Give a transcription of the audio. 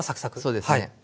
そうですね。